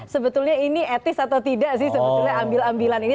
sebetulnya ini etis atau tidak sih sebetulnya ambil ambilan ini